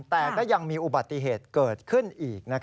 แต่ก็ยังมีอุบัติเหตุเกิดขึ้นอีก